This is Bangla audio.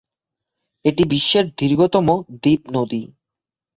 এটি বিশ্বের দীর্ঘতম দ্বীপ নদী।